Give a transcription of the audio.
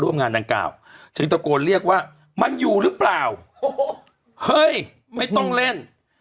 ร่วมงานดังกล่าวจึงตะโกนเรียกว่ามันอยู่หรือเปล่าเฮ้ยไม่ต้องเล่น